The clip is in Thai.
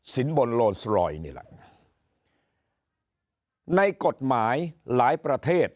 บนโลนสลอยนี่แหละในกฎหมายหลายประเทศ